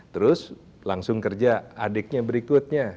terus langsung kerja adiknya berikutnya